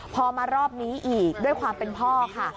พอมารอบนี้อีกด้วยความเป็นพ่อค่ะ